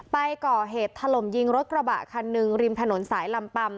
ไปก่อเหตุถล่มยิงรถกระบะคันหนึ่งริมถนนสายลำปัม